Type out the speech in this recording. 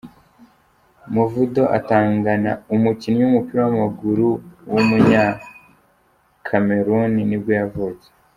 Mvondo Atangana, umukinnyi w’umupira w’amaguru w’umunyakameruni nibwo yavutse.